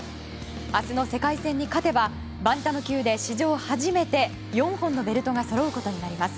明日の世界戦に勝てばバンタム級で史上初めて４本のベルトがそろうことになります。